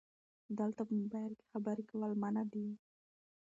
دلته په مبایل کې خبرې کول منع دي 📵